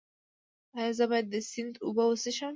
ایا زه باید د سیند اوبه وڅښم؟